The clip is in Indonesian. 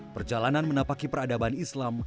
perjalanan menapaki peradaban islam